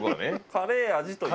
カレー味という。